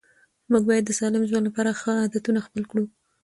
موږ باید د سالم ژوند لپاره ښه عادتونه خپل کړو